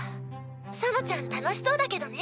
そのちゃん楽しそうだけどね。